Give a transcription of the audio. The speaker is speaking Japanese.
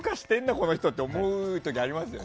この人って思う時あるよね。